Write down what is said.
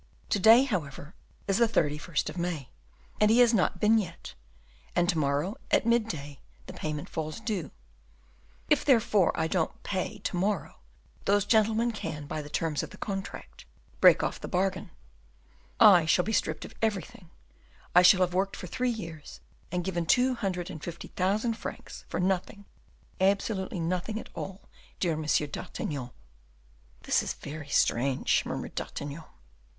To day, however, is the thirty first of May, and he has not been yet, and to morrow, at midday, the payment falls due; if, therefore, I don't pay to morrow, those gentlemen can, by the terms of the contract, break off the bargain; I shall be stripped of everything; I shall have worked for three years, and given two hundred and fifty thousand francs for nothing, absolutely for nothing at all, dear M. d'Artagnan." "This is very strange," murmured D'Artagnan.